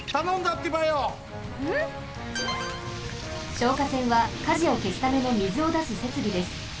消火栓は火事をけすためのみずをだすせつびです。